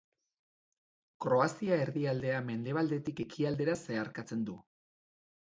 Kroazia erdialdea mendebaldetik ekialdera zeharkatzen du.